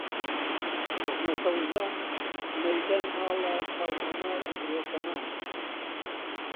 سوخمە سەوزە، مەیتەن ئاڵە، چاو خومار، ئەبرۆ کەمان